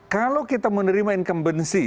kalau kita menerima incumbency